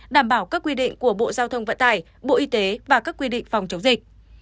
đảm bảo các quy định của bộ giao thông vận tải bộ y tế và các quy định phòng chống dịch